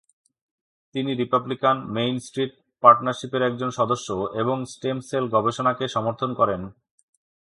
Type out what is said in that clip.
তিনি Republican Main Street পার্টনারশিপের একজন সদস্য এবং স্টেম সেল গবেষণাকে সমর্থন করেন।